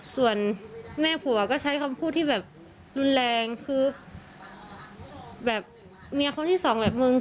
ส่วนแม่ผัวก็ใช้คำพูดที่แบบรุนแรงคือแบบเมียคนที่สองแบบมึง